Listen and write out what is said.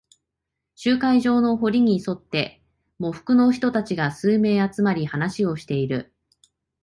集会所の塀に沿って、喪服の人たちが数名集まり、話をしている。